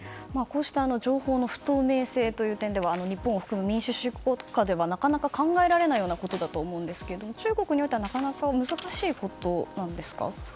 情報の不透明さは日本を含む民主主義国家ではなかなか考えられないことだと思うんですけど中国においてはなかなか難しいことなんですか。